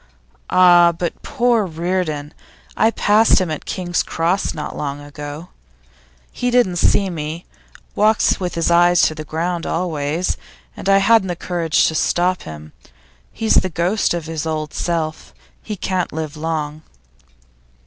'Ah, but poor Reardon! I passed him at King's Cross not long ago. He didn't see me walks with his eyes on the ground always and I hadn't the courage to stop him. He's the ghost of his old self. He can't live long.